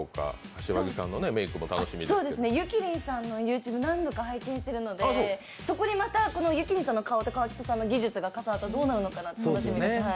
ゆきりんさんのＹｏｕＴｕｂｅ何度か拝見してるのでそこにまた、ゆきりんさんの顔と河北さんの技術が重なったらどうなるのかなって楽しみです。